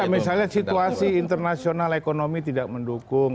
misalnya situasi internasional ekonomi tidak mendukung